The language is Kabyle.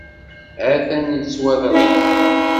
Ha-t-an tettwaḍreg.